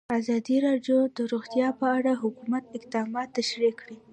ازادي راډیو د روغتیا په اړه د حکومت اقدامات تشریح کړي.